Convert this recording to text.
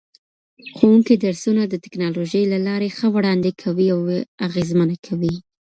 ښوونکي درسونه د ټکنالوژۍ له لارې ښه وړاندې کوي او اغېزمنه کوي.